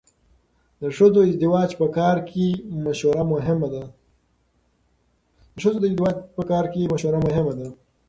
د ښځو د ازدواج په کار کې مشوره مهمه ده.